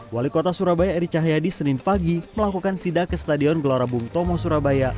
wali kota surabaya eri cahyadi senin pagi melakukan sida ke stadion gelora bung tomo surabaya